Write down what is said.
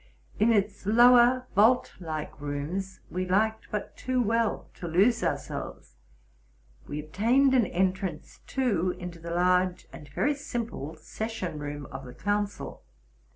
In its lower vault like rooms we liked but too well to lose ourselves. We obtained an entrance, too, into the large and very simple session room of the council.